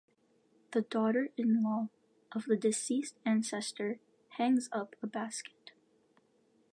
The daughter-in-law of the deceased ancestor hangs up a basket.